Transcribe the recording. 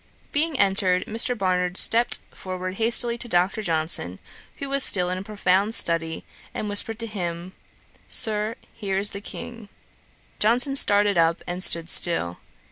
Being entered, Mr. Barnard stepped forward hastily to Dr. Johnson, who was still in a profound study, and whispered him, 'Sir, here is the King.' Johnson started up, and stood still.